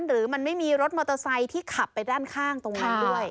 หรือมันไม่มีรถมอเตอร์ไซค์ที่ขับไปด้านข้างตรงนั้นด้วย